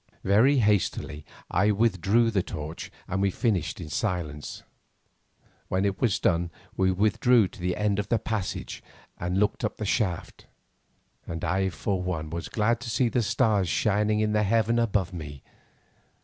Very hastily I withdrew the torch, and we finished in silence. When it was done we withdrew to the end of the passage and looked up the shaft, and I for one was glad to see the stars shining in heaven above me.